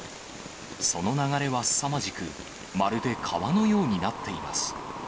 その流れはすさまじく、まるで川のようになっています。